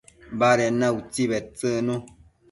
baded na utsi bedtsëcnu